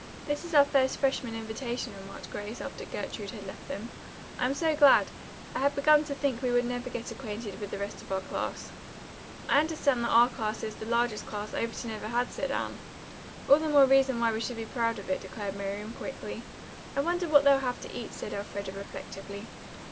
"This is our first freshman invitation," remarked Grace after Gertrude had left them. "I'm so glad. I had begun to think we would never get acquainted with the rest of our class." "I understand that 19 is the largest class Overton has ever had," said Anne. "All the more reason why we should be proud of it," declared Miriam quickly. "I wonder what they'll have to eat," said Elfreda reflectively.